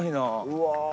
うわ。